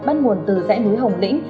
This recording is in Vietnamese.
bắt nguồn từ dãy núi hồng lĩnh